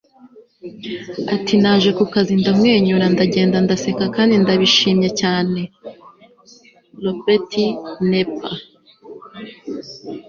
ati: naje ku kazi ndamwenyura ndagenda ndaseka, kandi ndabishimye cyane. - robert knepper